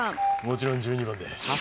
「もちろん１２番で」